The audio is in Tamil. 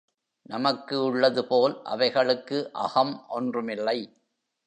நமக்கு உள்ளதுபோல் அவைகளுக்கு அகம் ஒன்றுமில்லை.